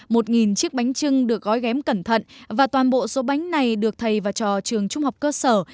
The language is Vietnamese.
một chiếc bánh trưng được gói ghém cẩn thận và toàn bộ số bánh này được thầy và trò trường trung học cơ sở